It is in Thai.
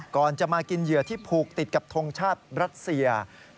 ก่อนจะมากินเหยื่อที่ผูกติดกับทงชาติรัสเซีย